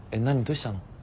どうしたの？